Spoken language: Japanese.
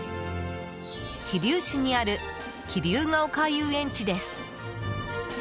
桐生市にある桐生が岡遊園地です。